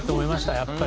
やっぱり。